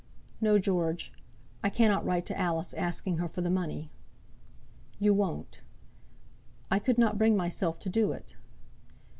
"No, George; I cannot write to Alice asking her for the money." "You won't?" "I could not bring myself to do it."